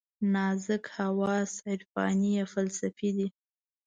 نازک حواس عرفاني یا فلسفي دي.